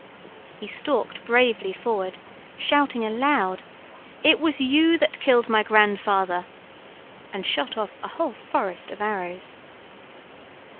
He stalked bravely forward, shouting aloud, "It was you that killed my grandfather," and shot off a whole forest of arrows.